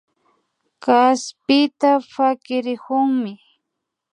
Kaspita pakirikunmi